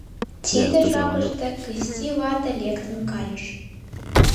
Тиде жапыште Кысти вате лектын кайыш.